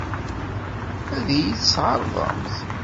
Ad iyi-tt-tɛeṛḍemt?